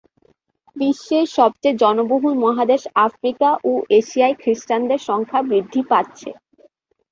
বিশ্বের সবচেয়ে জনবহুল মহাদেশ আফ্রিকা ও এশিয়ায় খ্রিস্টানদের সংখ্যা বৃদ্ধি পাচ্ছে।